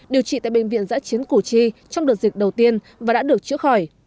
điều trị tại bệnh viện giãi chiến củ chi trong đợt dịch đầu tiên và đã được chữa khỏi